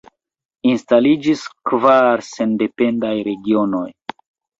Instaliĝis kvar sendependaj regionoj.